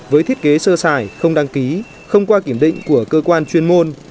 với thiết kế sơ xài không đăng ký không qua kiểm định của cơ quan chuyên môn